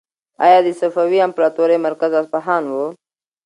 ایا د صفوي امپراطورۍ مرکز اصفهان و؟